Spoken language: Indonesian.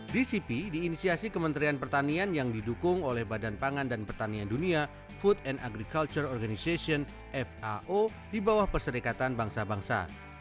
dcp diinisiasi kementerian pertanian yang didukung oleh badan pangan dan pertanian dunia food and agriculture organization fao di bawah perserikatan bangsa bangsa